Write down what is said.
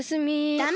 ダメ！